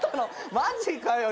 マジかよ。